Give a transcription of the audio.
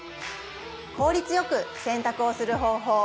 効率よく洗濯をする方法